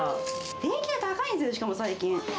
電気代高いんですよ、しかも最近。